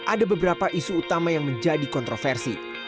ada beberapa isu utama yang menjadi kontroversi